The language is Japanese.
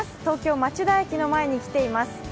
東京・町田駅の前に来ています。